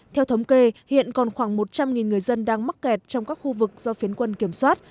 theo thống kê hiện còn khoảng một trăm linh người dân đang mắc kẹt trong các khu vực do phiến quân kiểm soát